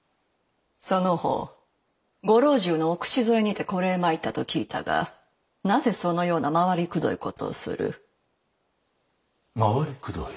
その方ご老中のお口添えにてこれへ参ったと聞いたがなぜそのような回りくどいことをする？回りくどい？